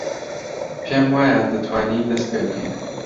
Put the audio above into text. پێم وایە دەتوانین دەست پێ بکەین.